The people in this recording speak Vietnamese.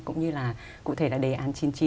cũng như là cụ thể là đề án chín mươi chín